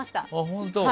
本当？